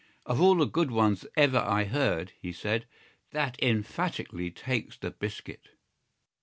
"Of all the good ones ever I heard," he said, "that emphatically takes the biscuit."